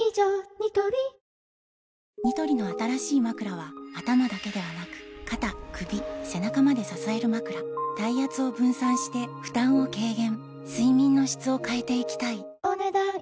ニトリニトリの新しいまくらは頭だけではなく肩・首・背中まで支えるまくら体圧を分散して負担を軽減睡眠の質を変えていきたいお、ねだん以上。